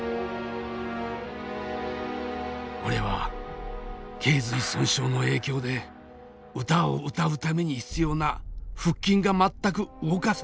俺は頸髄損傷の影響で歌を歌うために必要な腹筋が全く動かせなくなっていた。